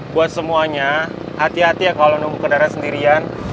buat semuanya hati hati ya kalau nunggu kendaraan sendirian